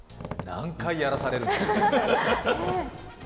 何回やらされるんですか。